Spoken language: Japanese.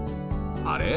あれ？